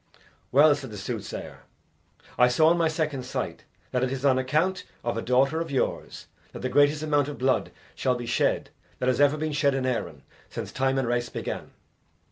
"Well," said the soothsayer, "I saw in my second sight that it is on account of a daughter of yours that the greatest amount of blood shall be shed that has ever been shed in Erin since time and race began.